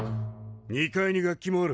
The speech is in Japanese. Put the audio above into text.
２階に楽器もある。